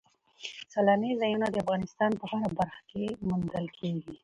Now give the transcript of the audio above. سیلانی ځایونه د افغانستان په هره برخه کې موندل کېږي.